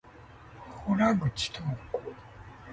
洞口朋子